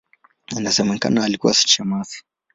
Inasemekana alikuwa shemasi.